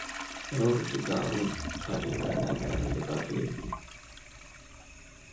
އެވަގުތު ދާއޫދު ފަރީނާ ނަގައި އެނދުގައި ބޭއްވި